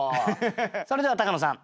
それでは高野さん